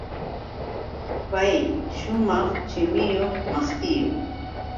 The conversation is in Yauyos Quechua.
Pay shumaq shimilla maqtillum.